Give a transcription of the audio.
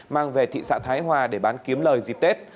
mang về thị xã thái hòa để bán kiếm lời dịp tết